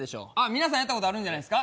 皆さんやったことあるんじゃないですか？